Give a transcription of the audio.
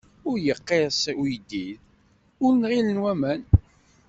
Ur yeqqirṣ uyeddid, ur nɣilen waman.